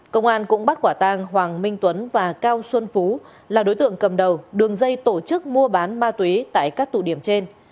công an cũng bắt quả tang hoàng minh tuấn và cao xuân phú là đối tượng cầm đầu đường dây tổ chức mua bán ma túy tại các tụ điểm trên